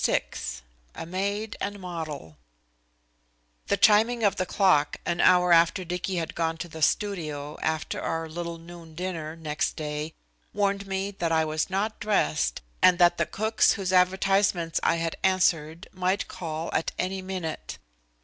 VI A MAID AND MODEL The chiming of the clock an hour after Dicky had gone to the studio after our little noon dinner next day warned me that I was not dressed and that the cooks whose advertisements I had answered might call at any minute.